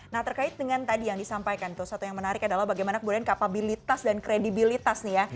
nah terkait dengan tadi yang disampaikan tuh satu yang menarik adalah bagaimana kemudian kapabilitas dan kredibilitas nih ya